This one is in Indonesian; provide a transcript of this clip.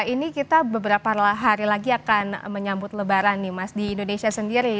ini kita beberapa hari lagi akan menyambut lebaran nih mas di indonesia sendiri